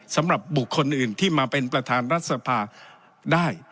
สำหรับบุคคลอื่นที่มาเป็นประธานรัฐสภาได้